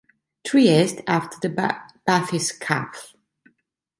"Trieste", after the bathyscaphe.